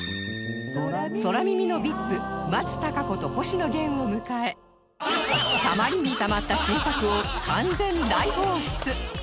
空耳の ＶＩＰ 松たか子と星野源を迎えたまりにたまった新作を完全大放出